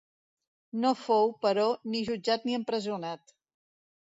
No fou, però, ni jutjat ni empresonat.